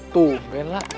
tuh main lah